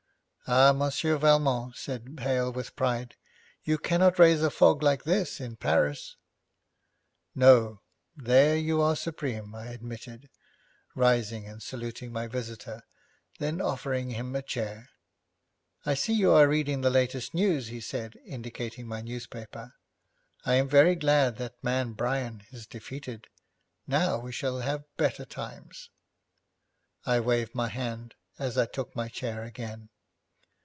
'Ah, Monsieur Valmont,' said Hale with pride, 'you cannot raise a fog like this in Paris!' 'No. There you are supreme,' I admitted, rising and saluting my visitor, then offering him a chair. 'I see you are reading the latest news,' he said, indicating my newspaper, 'I am very glad that man Bryan is defeated. Now we shall have better times.' I waved my hand as I took my chair again.